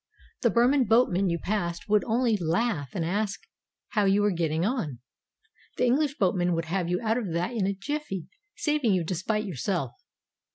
The Burman boatmen you passed would only laugh and ask how you were getting on. The English boatman would have you out of that in a jiffy, saving you despite yourself.